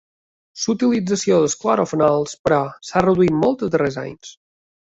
La utilització dels clorofenols, però, s'ha reduït molt els darrers anys.